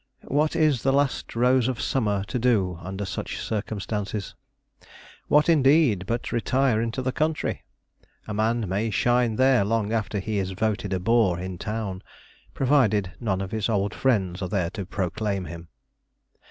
What is the last rose of summer to do under such circumstances? What, indeed, but retire into the country? A man may shine there long after he is voted a bore in town, provided none of his old friends are there to proclaim him.